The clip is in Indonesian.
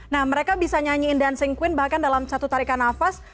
nah mereka bisa nyanyiin dancing queen bahkan dalam satu tarikan nafas